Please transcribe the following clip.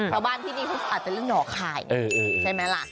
ชาวบ้านที่นี่เขาอาจจะเล่นหน่อคายเนี่ยใช่ไหมล่ะ